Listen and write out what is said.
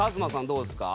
どうですか？